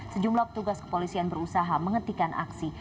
sejumlah petugas kepolisian berusaha menghentikan aksi